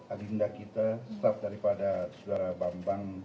adinda kita staff daripada saudara bambang